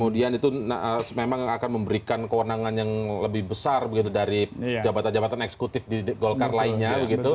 itu memang akan memberikan kewenangan yang lebih besar begitu dari jabatan jabatan eksekutif di golkar lainnya